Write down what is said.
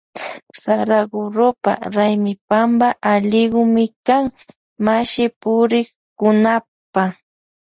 Saragurupa raymipampa allikumi kan mashipurikkunapa.